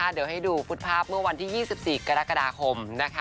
เดี๋ยวให้ดูฟุตภาพเมื่อวันที่๒๔กรกฎาคม